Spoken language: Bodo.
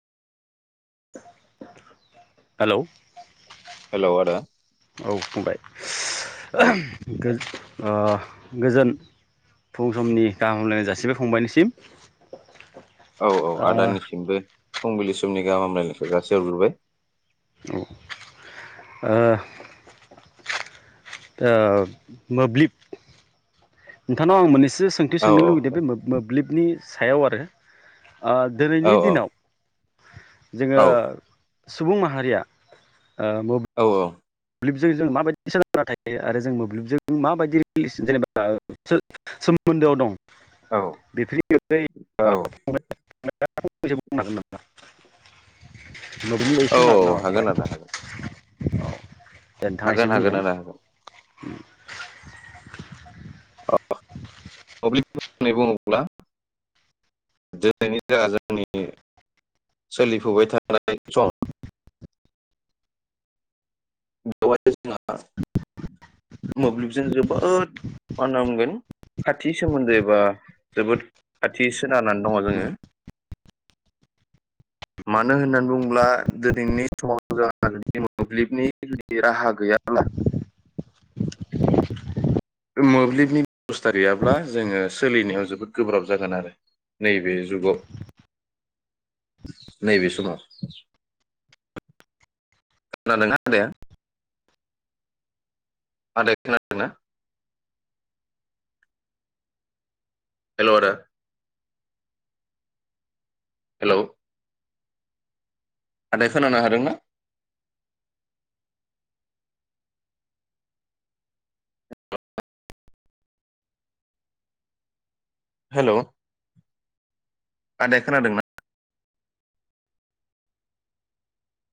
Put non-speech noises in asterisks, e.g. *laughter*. हेलौ हेलौ आदा औ औ फंबाय गोज ओ गोजोन फुं समनि गाहामलायनाय जासिबाय फंबायनिसिम। औ औ ओ आदानिसिमबो। फुंबिलि समनि गाहाम हामलायनायखौ जासि हरग्रोबाय। औ ओ ओ मोब्लिब नोंथानाव आं मोन्नैसो एसे सोंथि औ सोंनो औ लुगैदों बे मो-मोब्लिबनि सायाव आरो। ओ औ दिनैनि दिनाव जोंङो औ सुबुं माहारिया ओ औ मोब्लिबजों जों माबायदि सोलोंना थायो आरो जों मोब्लिबजों माबायदि रि जेनेबा सोमोन्दोआव औ दं औ *unintelligible* *unintelligible* बागै औ बुंनो नामा फंबाया हागोन आदा हागोन। दे नोंथाङा एसे हागोन बुंनाय हागोन आदा हागोन। *unintelligible* मोब्लिब होननानै बुंङोब्ला दिनैनि ज जोंनि सोलिफुबाय थानाय सम *unintelligible* *unintelligible* मोब्लिबजों जोबोद मा होनना बुंगोन खाथि सोमोन्दैबा जोबोद खाथि खोनानानै दङ जोंङो। मानो होननानै बुङोब्ला दिनैनि समाव जोंहानि मोब्लिबनि दिनि राहा गैयाब्ला मोब्लिबनि बेबस्था गैयाब्ला जोंङो सोलिनायाव जोबोद गोब्राब जागोन आरो नैबे जुगाव नैबे समाव। *unintelligible* आदाया खोनादोंना? हेलौ आदा हेलौ। आदाया खोनानो हादोंना? हेल' आदाया खोनादोंना?